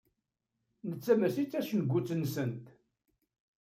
Nettat mačči d tacengut-nsent.